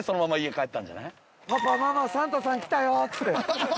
「パパママサンタさん来たよ」っつって。